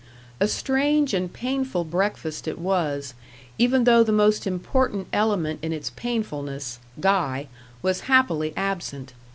A strange and painful breakfast it was, even though the most important element in its painfulness, Guy, was happily absent.